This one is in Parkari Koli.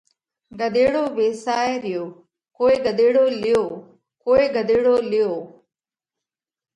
ڳۮيڙو ويسائه ريو ڪوئي ڳۮيڙو ليو، ڪوئي ڳۮيڙو ليو۔